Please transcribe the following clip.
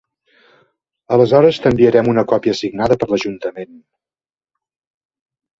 Aleshores t'enviarem una còpia signada per l'ajuntament.